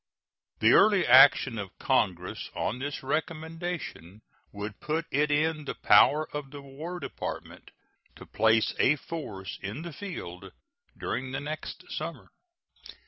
The early action of Congress on this recommendation would put it in the power of the War Department to place a force in the field during the next summer.